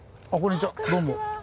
どうも。